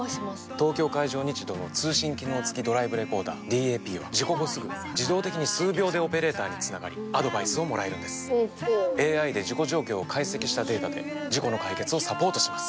東京海上日動の通信機能付きドライブレコーダーＤＡＰは事故後すぐ自動的に数秒でオペレーターにつながりアドバイスをもらえるんですＡＩで事故状況を解析したデータで事故の解決をサポートします